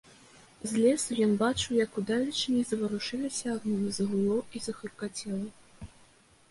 З лесу ён бачыў, як удалечыні заварушыліся агні, загуло і загрукацела.